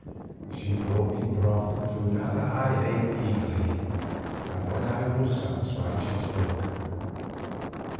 She brought me broth and food and I ate eagerly, and when I was satisfied she spoke.